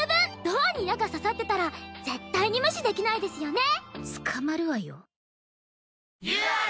ドアに矢が刺さってたら絶対に無視できないですよね。